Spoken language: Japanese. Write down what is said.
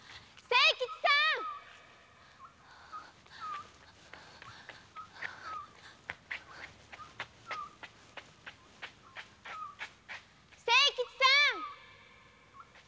清吉さん清吉さん。